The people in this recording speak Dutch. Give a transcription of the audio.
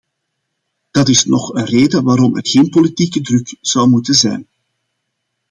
Dat is nog een reden waarom er geen politieke druk zou moeten zijn.